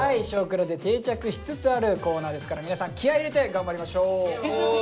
「少クラ」で定着しつつあるコーナーですから皆さん気合い入れて頑張りましょう。